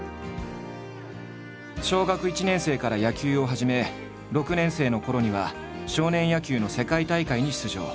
小学１年生から野球を始め６年生のころには少年野球の世界大会に出場。